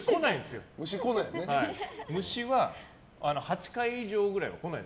虫は８階以上くらいは来ない。